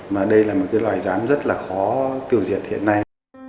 mà đây là một cái loài rán rất là khó tiêu diệt hiện nay